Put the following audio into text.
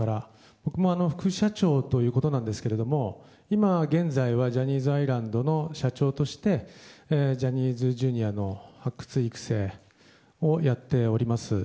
僕も副社長ということなんですけれども今現在はジャニーズアイランドの社長としてジャニーズＪｒ．の発掘・育成をやっております。